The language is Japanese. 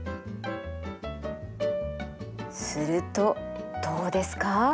するとどうですか？